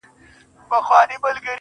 ډېـــره شناخته مي په وجود كي ده.